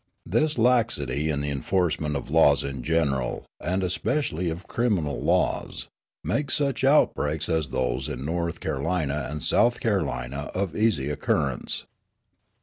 This laxity in the enforcement of the laws in general, and especially of criminal laws, makes such outbreaks as those in North Carolina and South Carolina of easy occurrence.